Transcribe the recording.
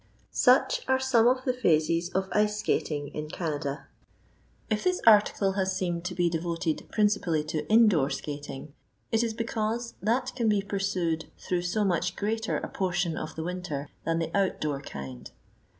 Such are some of the phases of ice skating in Canada. If this article has seemed to be devoted principally to indoor skating, it is because that can be pursued through so much greater a portion of the winter than the outdoor kind.